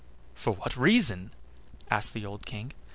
"For what reason?" asked the old King.